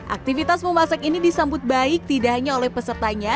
aktivitas memasak ini disambut baik tidak hanya oleh pesertanya